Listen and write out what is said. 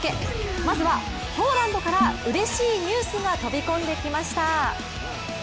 まずはポーランドから、うれしいニュースが飛び込んできました。